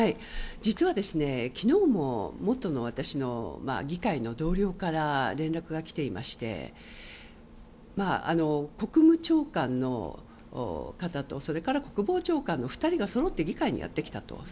実は昨日も私の、議会の元同僚から連絡がきていまして国務長官の方とそれから国防長官の２人がそろって議会にやってきたと。